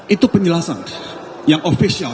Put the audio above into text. itu penjelasan yang official